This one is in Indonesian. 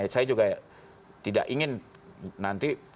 saya juga tidak ingin nanti